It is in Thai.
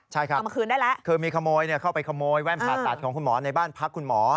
ใช่ครับคือมีขโมยเนี่ยเข้าไปขโมยแว่นผ่าตัดของคุณหมอในบ้านพักคุณหมอ